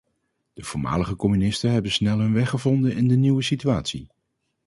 De voormalige communisten hebben snel hun weg gevonden in de nieuwe situatie.